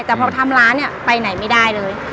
แต่พอทำร้านเนี่ยไปไหนไม่ได้เลย